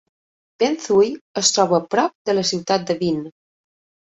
Ben Thuy es troba prop de la ciutat de Vinh.